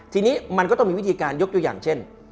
ทีนี้มันก็ต้องมีวิธีการยกตัวอย่างเช่น